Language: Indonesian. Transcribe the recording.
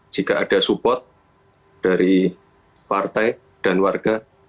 jika ada support dari partai dan warga